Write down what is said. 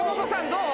どう？